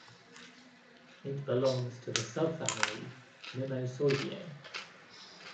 It belongs to the subfamily Mimosoideae.